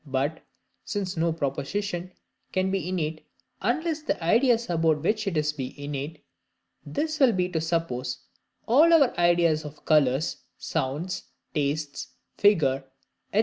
But, since no proposition can be innate unless the ideas about which it is be innate, this will be to suppose all our ideas of colours, sounds, tastes, figure, &c.